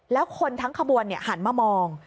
แล้วคนทั้งขบวนหันมามอง